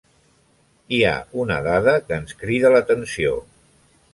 Hi ha una dada que ens crida l'atenció.